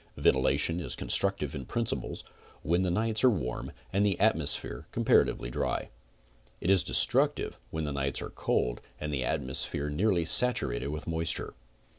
Ventilation is constructive in principle when the nights are warm and the atmosphere comparatively dry, but is destructive when the nights are cold and the atmosphere nearly saturated with moisture.